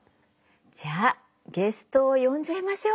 じゃあゲストを呼んじゃいましょう！